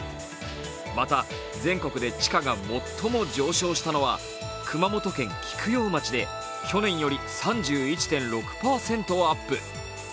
また、全国で地価が最も上昇したのは熊本県菊陽町で去年より３１．６％アップ。